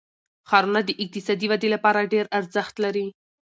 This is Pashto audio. ښارونه د اقتصادي ودې لپاره ډېر ارزښت لري.